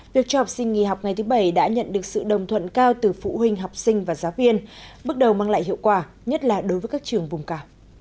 việc cho học sinh nghỉ học ngày thứ bảy đã nhận được sự đồng thuận cao từ phụ huynh học sinh và giáo viên bước đầu mang lại hiệu quả nhất là đối với các trường vùng cả